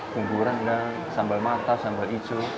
bumbu rendang sambal mata sambal hijau